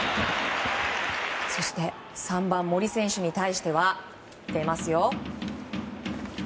そして３番、森選手に対しては出ますよ。